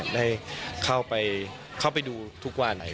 ได้เข้าไปดูทุกวัน